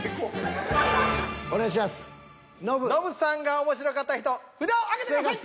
ノブさんが面白かった人札を上げてください。